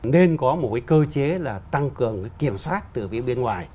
nên có một cái cơ chế là tăng cường kiểm soát từ bên ngoài